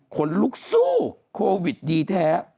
ขนลุกสู้โควิดดีแท้